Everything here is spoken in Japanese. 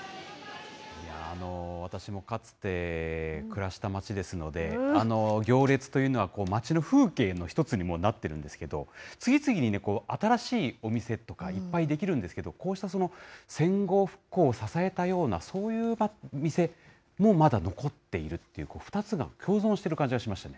私もかつて暮らした街ですので、行列というのは、街の風景の一つにもなってるんですけど、次々にね、こう、新しいお店とか、いっぱい出来るんですけど、こうした戦後復興を支えたような、そういう店もまだ残っているっていう、２つが共存してる感じがしましたね。